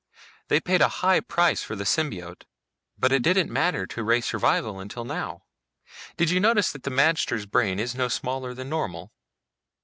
They paid a high price for the symbiote, but it didn't matter to race survival until now. Did you notice that the magter's brain is no smaller than normal?"